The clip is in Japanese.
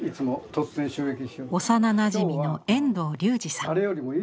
幼なじみの遠藤隆二さん。